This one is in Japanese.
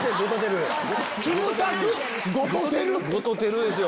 ゴトテルですよ！